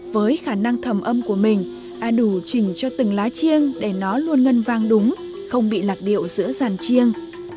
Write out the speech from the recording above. với khả năng thầm âm của mình a đủ chỉnh cho từng lá chiêng để nó luôn ngân vang đúng không bị lạc điệu giữa giàn chiêng